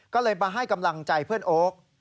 ก็เลยมาให้กำลังใจเพื่อนโอ๊ค